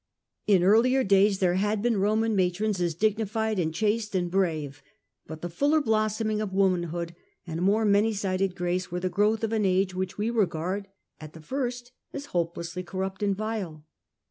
In earlier days there had been Roman matrons as dignified and chaste and brave, but the fuller blossoming of womanhood and a more many sided grace were the growth of an age which we regard, at the first, as hopelessly corrupt and vile.